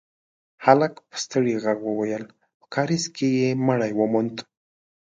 هلک په ستړي غږ وويل: په کارېز کې يې مړی وموند.